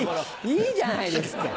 いいじゃないですか。